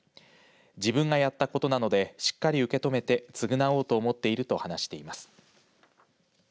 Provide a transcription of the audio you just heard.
自分がやったことなのでしっかり受け止めて償おうと思っていると話しています。